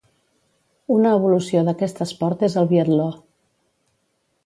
Una evolució d'aquest esport és el biatló.